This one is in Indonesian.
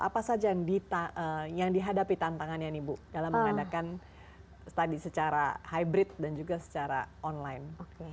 apa saja yang dihadapi tantangannya nih bu dalam mengadakan tadi secara hybrid dan juga secara online